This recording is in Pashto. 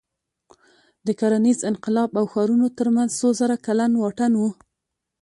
د کرنیز انقلاب او ښارونو تر منځ څو زره کلن واټن و.